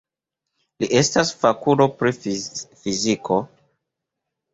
Li estas fakulo pri fiziko.